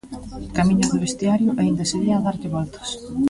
Camiño do vestiario aínda seguía a darlle voltas.